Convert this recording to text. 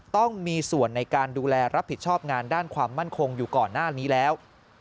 ต้องมีส่วนในการดูแลรับผิดชอบงานด้านความมั่นคงอยู่ก่อนหน้านี้แล้ว